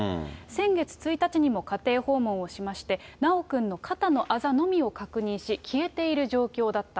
先月１日にも家庭訪問をしまして、修くんの肩のあざのみを確認し、消えている状況だった。